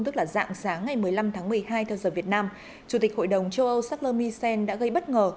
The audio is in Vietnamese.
tức là dạng sáng ngày một mươi năm tháng một mươi hai theo giờ việt nam chủ tịch hội đồng châu âu charles misen đã gây bất ngờ